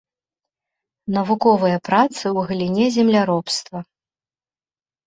Навуковыя працы ў галіне земляробства.